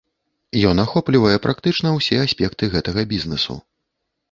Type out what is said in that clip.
Ён ахоплівае практычна ўсе аспекты гэтага бізнэсу.